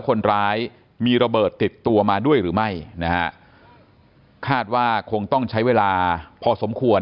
คนร้ายมีระเบิดติดตัวมาด้วยหรือไม่นะฮะคาดว่าคงต้องใช้เวลาพอสมควร